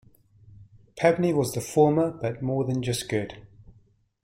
Pevney was the former, but more than just good.